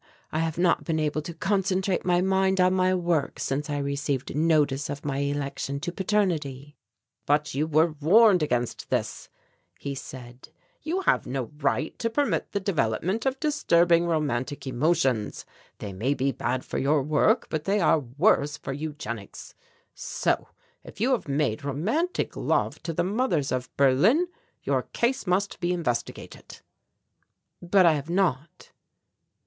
I have not been able to concentrate my mind on my work since I received notice of my election to paternity." "But you were warned against this," he said; "you have no right to permit the development of disturbing romantic emotions. They may be bad for your work, but they are worse for eugenics. So, if you have made romantic love to the mothers of Berlin, your case must be investigated." "But I have not."